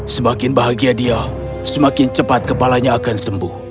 semakin bahagia dia semakin cepat kepalanya akan sembuh